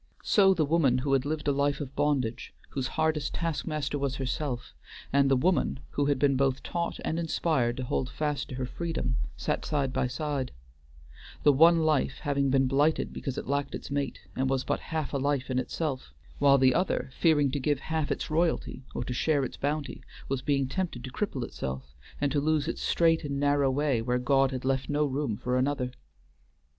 So the woman who had lived a life of bondage, whose hardest task master was herself, and the woman who had been both taught and inspired to hold fast her freedom, sat side by side: the one life having been blighted because it lacked its mate, and was but half a life in itself; while the other, fearing to give half its royalty or to share its bounty, was being tempted to cripple itself, and to lose its strait and narrow way where God had left no room for another.